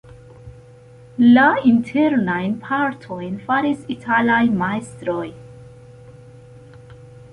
La internajn partojn faris italaj majstroj.